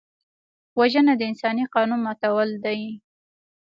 وژنه د انساني قانون ماتول دي